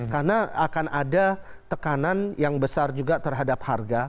karena akan ada tekanan yang besar juga terhadap harga